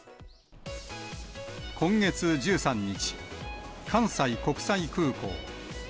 今月１３日、関西国際空港。